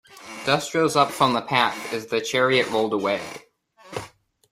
Dust rose up from the path as the chariot rolled away.